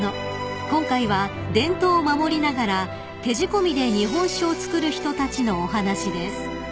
今回は伝統を守りながら手仕込みで日本酒を造る人たちのお話です］